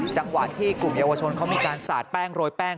จังหวะที่กลุ่มเยาวชนเขามีการสาดแป้งโรยแป้ง